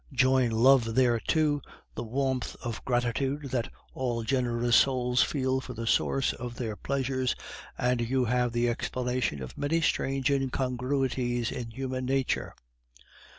Join love thereto, the warmth of gratitude that all generous souls feel for the source of their pleasures, and you have the explanation of many strange incongruities in human nature.